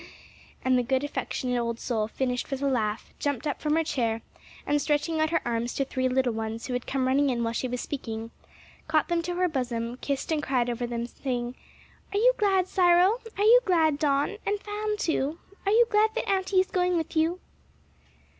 And the good affectionate old soul finished with a laugh, jumped up from her chair and stretching out her arms to three little ones who had come running in while she was speaking, caught them to her bosom, kissed and cried over them, asking, "Are you glad, Cyril? are you glad, Don? and Fan, too? are you glad that auntie is going with you?"